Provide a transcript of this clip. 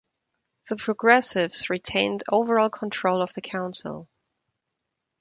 The Progressives retained overall control of the council.